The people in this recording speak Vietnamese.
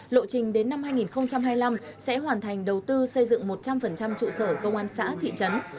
lộ trình đến năm hai nghìn hai mươi năm sẽ hoàn thành đầu tư xây dựng một trăm linh trụ sở công an xã thị trấn